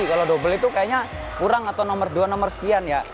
kalau double itu kayaknya kurang atau nomor dua nomor sekian ya